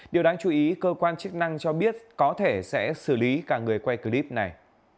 điều đáng chú ý cơ quan chức năng cho biết có thể sẽ xử lý cả người quay clip này